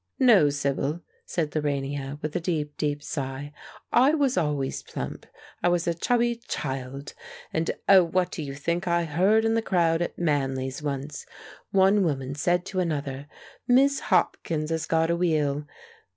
"No, Sibyl," said Lorania, with a deep, deep sigh, "I was always plump; I was a chubby child! And oh, what do you think I heard in the crowd at Manly's once? One woman said to another, 'Miss Hopkins has got a wheel.'